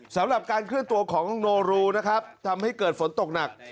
สำหรับการเคลื่อนตัวของโนรูนะครับทำให้เกิดฝนตกหนัก